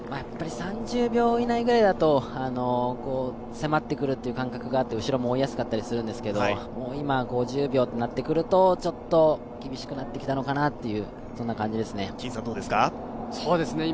３０秒以内ぐらいだと迫ってくるという感覚があって後ろも追いやすかったりするんですけど今、５０秒となってくると、ちょっと厳しくなってきたのかなという感じですね。